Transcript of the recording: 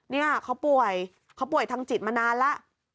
เนี่ยเขาป่วยทั้งจิตมานานละ